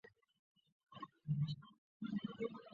利穆西人口变化图示